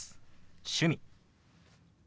「趣味」。